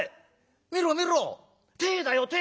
見ろ見ろ鯛だよ鯛。